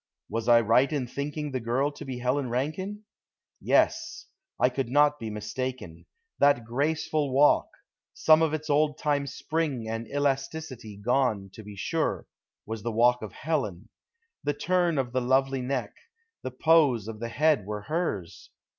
Was I right in thinking the girl to be Helen Rankine. Yes; I could not be mistaken. That graceful walk, some of its old time spring and elasticity gone, to be sure, was the walk of Helen; the turn of the lovely neck; the pose of the head were hers.